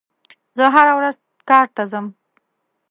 زه هره ورځ کار ته ځم.